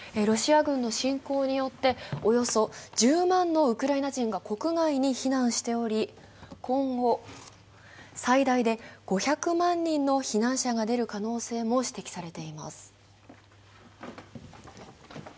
ロシア軍の侵攻によって、およそ１０万のウクライナ人が国外に避難しており、今後、最大で５００万人の避難者が出る可能性も指摘されています。